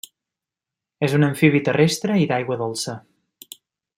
És un amfibi terrestre i d'aigua dolça.